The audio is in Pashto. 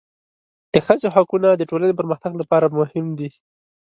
د ښځو حقونه د ټولنې پرمختګ لپاره مهم دي.